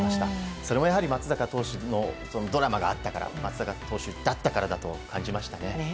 それもやはり松坂投手のドラマがあったから松坂投手だったからだと感じましたね。